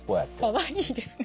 かわいいですね。